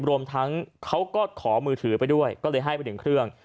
รวมทั้งเขาก็ขอมือถือไปด้วยก็เลยให้ไปหนึ่งเครื่อง